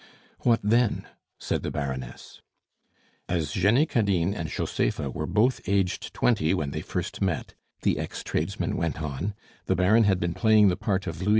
"What then?" said the Baroness. "As Jenny Cadine and Josepha were both aged twenty when they first met," the ex tradesman went on, "the Baron had been playing the part of Louis XV.